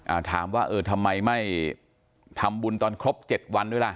อ่าถามว่าเออทำไมไม่ทำบุญตอนครบเจ็ดวันด้วยล่ะ